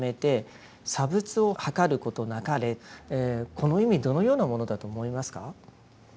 この意味どのようなものだと思いますか？